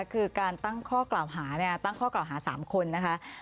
คือการตั้งข้อกล่าวหา๓คนนะคะ